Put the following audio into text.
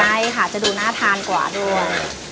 ใช่ค่ะจะดูน่าทานกว่าด้วย